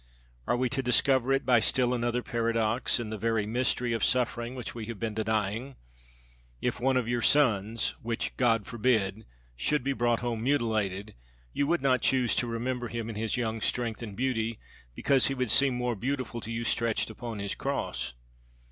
Are we to discover it by still another paradox, in the very mystery of suffering which we have been denying? If one of your sons (which God forbid!) should be brought home mutilated, you would not choose to remember him in his young strength and beauty, because he would seem more beautiful to you stretched upon his cross.